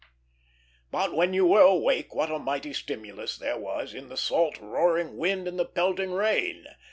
But, when you were awake, what a mighty stimulus there was in the salt roaring wind and the pelting rain!